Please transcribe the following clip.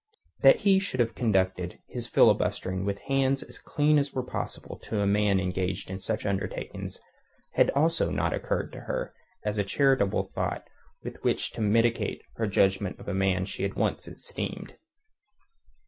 That he should have conducted his filibustering with hands as clean as were possible to a man engaged in such undertakings had also not occurred to her as a charitable thought with which to mitigate her judgment of a man she had once esteemed.